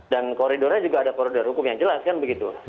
dan koridornya juga ada koridor hukum yang jelas kan begitu